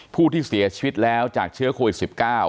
ผู้ที่เสียชีวิตแล้วจากเชื้อโควิด๑๙